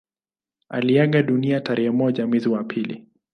Aliaga dunia tarehe moja mwezi wa pili